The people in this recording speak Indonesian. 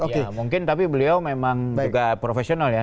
ya mungkin tapi beliau memang juga profesional ya